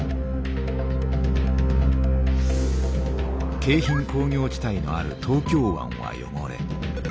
京浜工業地帯のある東京湾は汚れ